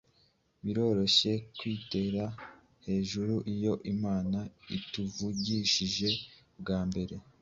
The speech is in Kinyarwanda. Biroroshye kwitera hejuru iyo Imana ituvugishije bwa mbere